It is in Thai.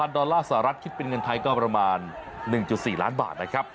ดอลลาร์สหรัฐคิดเป็นเงินไทยก็ประมาณ๑๔ล้านบาทนะครับ